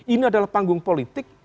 ini adalah panggung politik